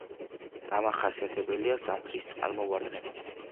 დამახასიათებელია ზამთრის წყალმოვარდნები.